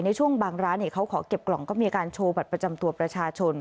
ในช่วงบางร้านเขาขอเก็บกล่องก็มีการโชว์บัตรประจำตัวประชาชน